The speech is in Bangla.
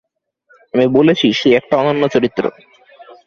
আমি বলেছি, সে একটা অনন্য চরিত্র।